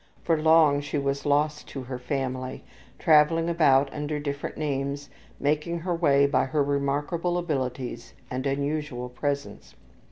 For long she was lost to her family, traveling about under different names, making her way by her remarkable abilities and unusual presence.